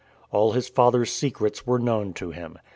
All his father's secrets were known to him.